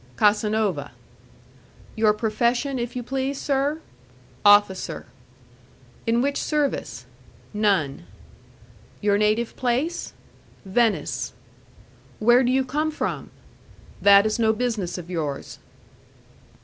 "Casanova." "Your profession, if you please, sir?" "Officer." "In which service?" "None." "Your native place?" "Venice." "Where do you come from?" "That is no business of yours."